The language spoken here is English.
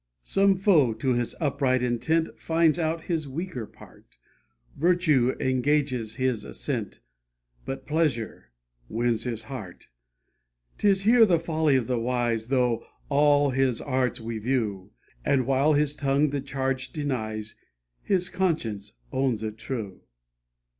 Some foe to his upright intent Finds out his weaker part; Virtue engages his assent, But Pleasure wins his heart. 'Tis here the folly of the wise Through all his art we view; And, while his tongue the charge denies, His conscience owns it true.